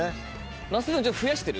那須君増やしてる？